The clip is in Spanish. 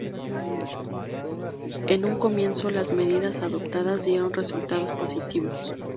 En un comienzo, las medidas adoptadas dieron resultados positivos.